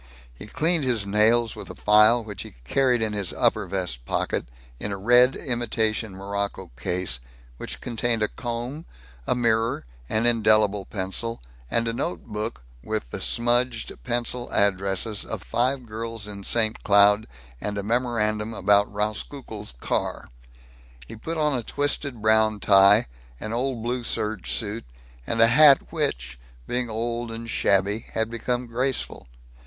He cleaned his nails with a file which he carried in his upper vest pocket in a red imitation morocco case which contained a comb, a mirror, an indelible pencil, and a note book with the smudged pencil addresses of five girls in St. Cloud, and a memorandum about Rauskukle's car. He put on a twisted brown tie, an old blue serge suit, and a hat which, being old and shabby, had become graceful.